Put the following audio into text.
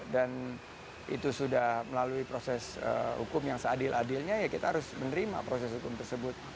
itu sudah melalui proses hukum yang seadil adilnya ya kita harus menerima proses hukum tersebut